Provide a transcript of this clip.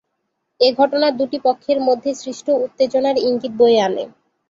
এ ঘটনা দুটি পক্ষের মধ্যে সৃষ্ট উত্তেজনার ইঙ্গিত বয়ে আনে।